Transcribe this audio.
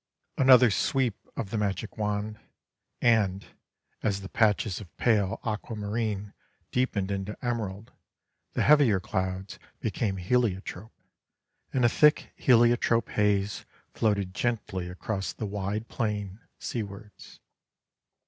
Another sweep of the magic wand, and, as the patches of pale aquamarine deepened into emerald, the heavier clouds became heliotrope, and a thick heliotrope haze floated gently across the wide plain, seawards.